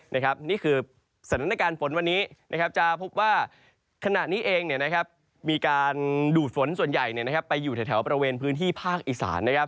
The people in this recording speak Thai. นี่คือสถานการณ์ฝนวันนี้จะพบว่าขณะนี้เองมีการดูดฝนส่วนใหญ่ไปอยู่แถวบริเวณพื้นที่ภาคอีสานนะครับ